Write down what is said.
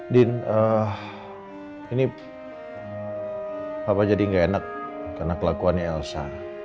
din ini papa jadi nggak enak karena kelakuannya elsa